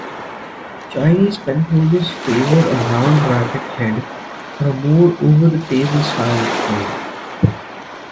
Chinese penholders favour a round racket head, for a more over-the-table style of play.